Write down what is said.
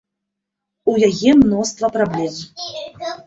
У яе мноства праблем.